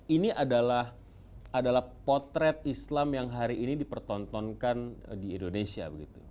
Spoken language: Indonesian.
ini adalah potret islam yang hari ini dipertontonkan di indonesia